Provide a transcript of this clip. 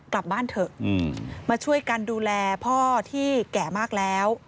กลับบ้านเถอะมาช่วยกันดูแลพ่อที่แก่มากแล้ว